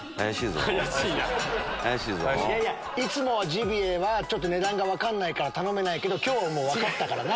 いつもはジビエは値段が分からないから頼めないけど今日は分かったからな。